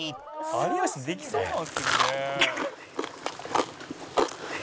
「有吉さんできそうなんですけどね」